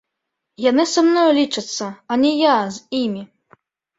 Яны са мною лічацца, а не я з імі!